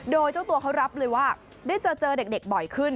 โดยเจ้าตัวเขารับเลยว่าได้เจอเด็กบ่อยขึ้น